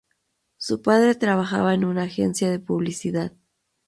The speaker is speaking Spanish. Su padre trabajaba en una agencia de publicidad.